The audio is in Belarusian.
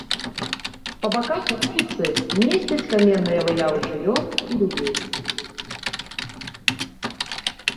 Па баках вуліцы месцяць каменныя выявы жывёл і людзей.